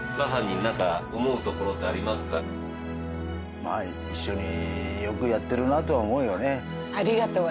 まあ一緒によくやってるなとは思うよね。